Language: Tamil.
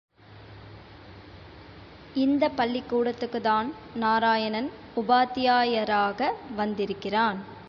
இந்தப் பள்ளிக்கூடத்துக்குத்தான் நாராயணன் உபாத்தியாயராக வந்திருக்கிறான்.